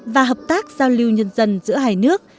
và hợp tác giao lưu nhân dân giữa hai nước